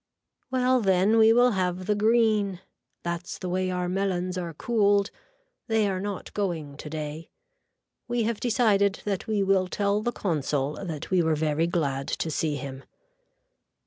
Well then we will have the green. That's the way our melons are cooled. They are not going today. We have decided that we will tell the consul that we were very glad to see him.